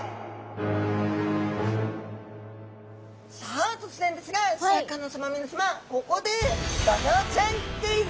さあ突然ですがシャーク香音さま皆さまここでドジョウちゃんクイズ！